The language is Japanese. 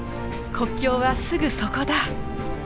国境はすぐそこだ！